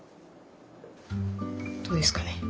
どうですかね？